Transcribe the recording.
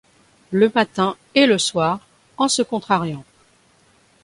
Le matin et le soir, en se contrariant